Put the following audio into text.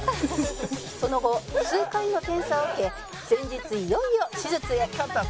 「その後数回の検査を受け先日いよいよ手術へ」